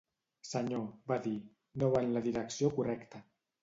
"Senyor", va dir, "no va en la direcció correcta".